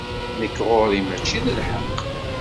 Nekk ɣur-i mačči d lḥeqq.